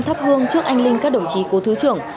thắp gương trước anh linh các đồng chí của thứ trưởng